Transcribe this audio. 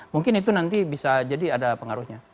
mungkin itu nanti bisa jadi ada pengaruhnya